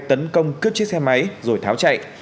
tấn công cướp chiếc xe máy rồi tháo chạy